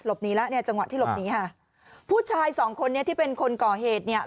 หนีแล้วเนี่ยจังหวะที่หลบหนีค่ะผู้ชายสองคนนี้ที่เป็นคนก่อเหตุเนี่ย